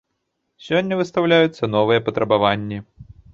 Сёння выстаўляюцца новыя патрабаванні.